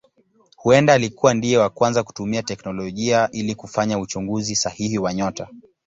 Huenda alikuwa ndiye wa kwanza kutumia teknolojia ili kufanya uchunguzi sahihi wa nyota.